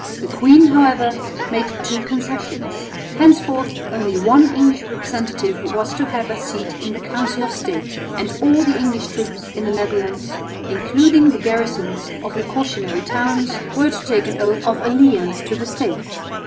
The queen, however, made two concessions. Henceforth only one English representative was to have a seat in the Council of State; and all the English troops in the Netherlands, including the garrisons of the cautionary towns, were to take an oath of allegiance to the States.